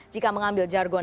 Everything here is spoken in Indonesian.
jika mengambil jargonnya